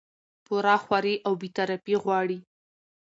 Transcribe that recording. پوره خواري او بې طرفي غواړي